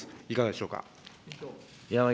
いかがでしょうか。